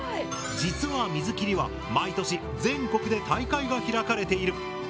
実は水切りは毎年全国で大会が開かれている。